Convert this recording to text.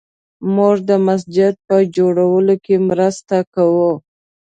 موږ د مسجد په جوړولو کې مرسته کوو